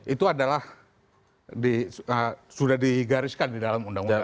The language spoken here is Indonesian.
itu adalah sudah digariskan di dalam undang undang